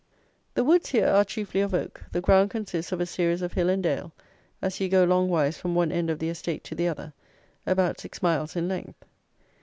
The woods here are chiefly of oak; the ground consists of a series of hill and dale, as you go long wise from one end of the estate to the other, about six miles in length.